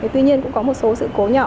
tuy nhiên cũng có một số sự cố nhỏ